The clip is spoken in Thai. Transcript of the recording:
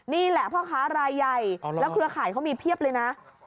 นี่แหละพ่อค้ารายใหญ่แล้วเครือข่ายเขามีเพียบเลยนะ